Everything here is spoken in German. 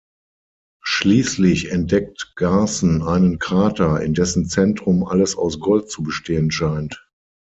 Schließlich entdeckt Garson einen Krater, in dessen Zentrum alles aus Gold zu bestehen scheint.